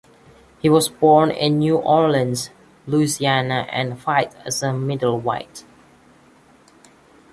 He was born in New Orleans, Louisiana and fights as a middleweight.